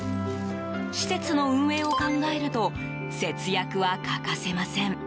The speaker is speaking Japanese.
施設の運営を考えると節約は欠かせません。